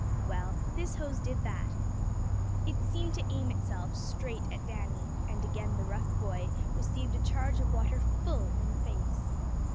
Well, this hose did that. It seemed to aim itself straight at Danny, and again the rough boy received a charge of water full in the face.